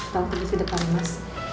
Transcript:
tolong pergi di depan mas